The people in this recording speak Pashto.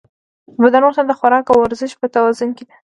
د بدن روغتیا د خوراک او ورزش په توازن کې ده.